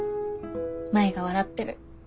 舞が笑ってる。